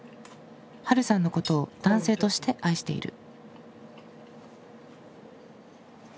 はるさんのことを男性として愛している。